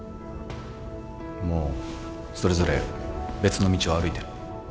もうそれぞれ別の道を歩いてる。